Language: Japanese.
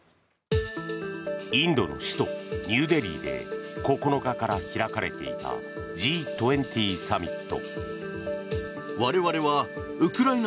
インドの首都ニューデリーで９日から開かれていたＧ２０サミット。